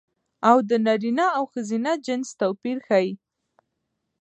او د نرينه او ښځينه جنس توپير ښيي